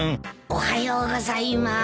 おはようございます。